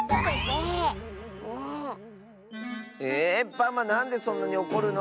パマなんでそんなにおこるの。